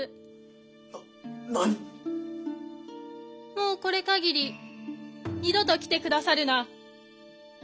もうこれ限り二度と来て下さるな。